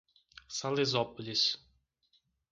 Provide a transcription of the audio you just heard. Salesópolis